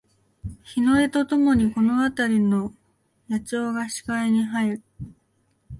日の出とともにこのあたりの野鳥が視界に入る